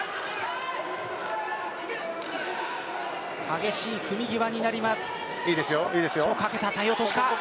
激しい組み際になります。